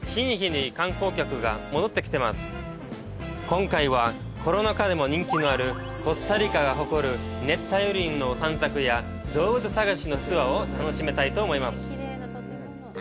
今回は、コロナ禍でも人気のあるコスタリカが誇る熱帯雨林の散策や動物探しのツアーを楽しみたいと思います。